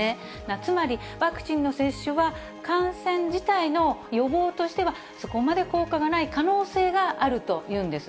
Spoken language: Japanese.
つまり、ワクチンの接種は、感染自体の予防としては、そこまで効果がない可能性があるというんです。